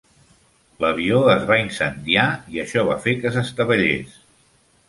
L'avió es va incendiar i això va fer que s'estavellés.